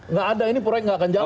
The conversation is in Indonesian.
nggak ada ini proyek nggak akan jalan